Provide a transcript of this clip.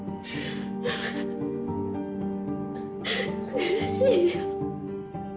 苦しいよ。